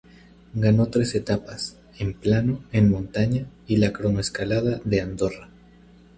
Ganó tres etapas, en plano, en montaña y la cronoescalada de Andorra.